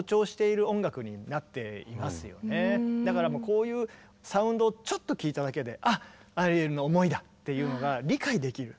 こういうサウンドをちょっと聴いただけで「あっアリエルの思いだ」っていうのが理解できる。